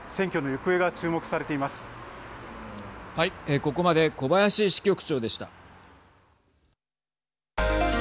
ここまで小林支局長でした。